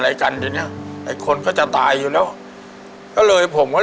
เพราะผมก็เลยนึกน้อยใจฉันยังสมควรไปกินบ้าน